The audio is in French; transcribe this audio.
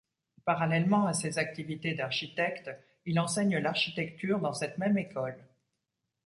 Parallèlement à ses activités d'architecte, il enseigne l'architecture dans cette même école.